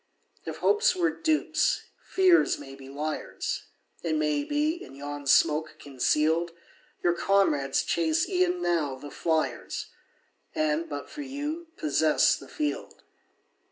If hopes were dupes, fears may be liars; It may be, in yon smoke conceal'd, Your comrades chase e'en now the fliers, And, but for you, possess the field.